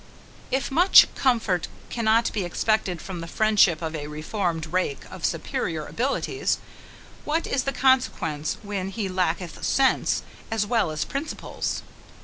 If much comfort cannot be expected from the friendship of a reformed rake of superior abilities, what is the consequence when he lacketh sense, as well as principles?